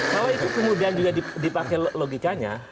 kalau itu kemudian juga dipakai logikanya